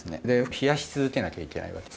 冷やし続けなきゃいけないわけです。